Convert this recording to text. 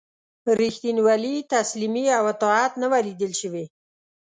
ریښتینولي، تسلیمي او اطاعت نه وه لیده شوي.